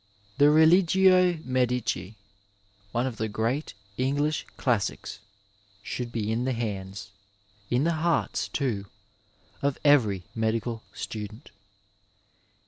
The Religio Medici, one of the great English classics, should be in the hands — ^in the hearts too — of every medical student.